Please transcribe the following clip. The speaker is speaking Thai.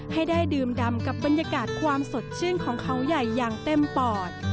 ให้ได้ดื่มดำกับบรรยากาศความสดชื่นของเขาใหญ่อย่างเต็มปอด